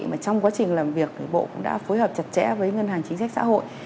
mà trong quá trình làm việc thì bộ cũng đã phối hợp chặt chẽ với ngân hàng chính sách xã hội